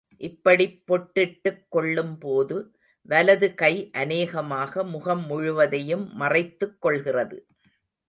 இப்படிப் பொட்டிட்டுக் கொள்ளும் போது, வலது கை அநேகமாக முகம் முழுவதையும் மறைத்துக் கொள்கிறது.